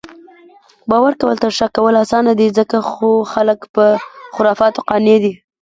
باؤر کؤل تر شک کؤلو اسانه دي، ځکه خو خلک پۀ خُرفاتو قانع دي